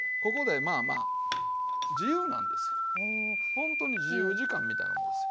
ほんとに自由時間みたいなもんですよ。